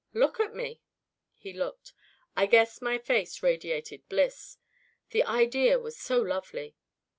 Look at me.' "He looked. I guess my face radiated bliss. The idea was so lovely.